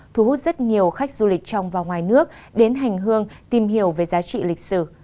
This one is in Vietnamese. thu hút rất nhiều khách du lịch trong và ngoài nước đến hành hương tìm hiểu về giá trị lịch sử